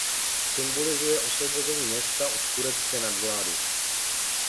Symbolizuje osvobození města od turecké nadvlády.